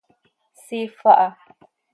Siifp aha.